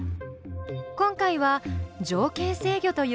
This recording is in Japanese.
今回は「条件制御」という考え方。